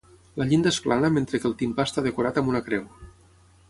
La llinda és plana mentre que el timpà està decorat amb una creu.